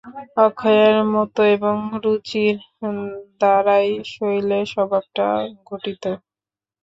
অক্ষয়ের মত এবং রুচির দ্বারাই শৈলের স্বভাবটা গঠিত।